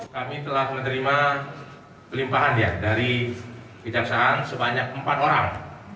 kami telah menerima pelimpahannya dari kejaksaan sebanyak empat orang